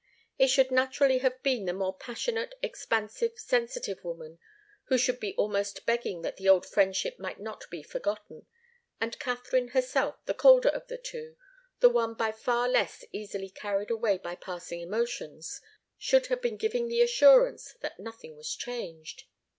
It should naturally have been the more passionate, expansive, sensitive woman who should be almost begging that the old friendship might not be forgotten, and Katharine herself, the colder of the two, the one by far less easily carried away by passing emotions, should have been giving the assurance that nothing was changed.